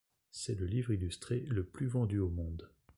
C'est le livre illustré le plus vendu au monde.